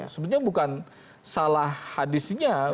sebenarnya bukan salah hadisnya